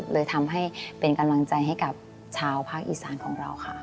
เลยทำให้เป็นกำลังใจให้กับชาวภาคอีสานของเราค่ะ